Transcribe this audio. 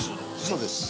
そうです。